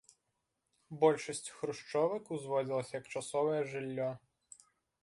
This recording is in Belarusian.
Большасць хрушчовак узводзілася як часовае жыллё.